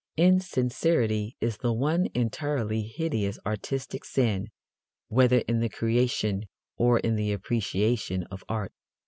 Insincerity is the one entirely hideous artistic sin whether in the creation or in the appreciation of art.